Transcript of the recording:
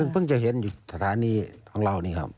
เพิ่งจะเห็นอยู่สถานีของเรานี่ครับ